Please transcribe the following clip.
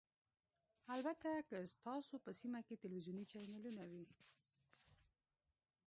البته که ستاسو په سیمه کې تلویزیوني چینلونه وي